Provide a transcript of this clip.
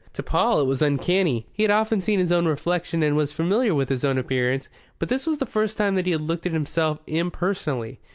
To Paul it was uncanny. He had often seen his own reflection and was familiar with his own appearance, but this was the first time that he had looked at himself impersonally.